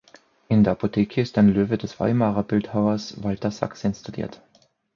In der Apotheke ist ein Löwe des Weimarer Bildhauers Walter Sachs installiert.